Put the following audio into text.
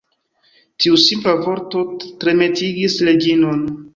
Tiu simpla vorto tremetigis Reĝinon.